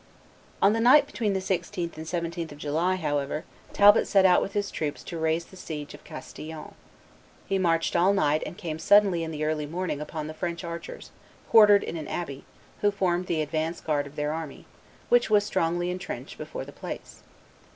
On the night between the 16th and 17th of July, however, Talbot set out with his troops to raise the siege of Castillon. He marched all night and came suddenly in the early morning upon the French archers, quartered in an abbey, who formed the advanced guard of their army, which was strongly intrenched before the place.